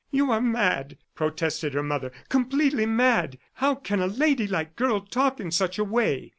"You are mad," protested her mother. "Completely mad! How can a ladylike girl talk in such a way?"